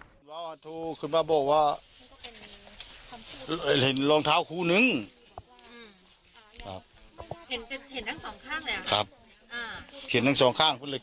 ดินรองเท้าตั๊กผู้หญิงผู้ชายเต็บเราโรงเท้าหนัดรองเท้าเล็กน้อย